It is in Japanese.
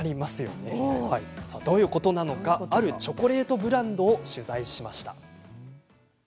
どういうことなのかあるチョコレートブランドを取材しました。